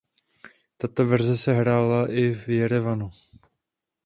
Tato verze se hrála i v Jerevanu.